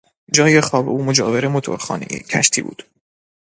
جای خواب او مجاور موتورخانهی کشتی بود.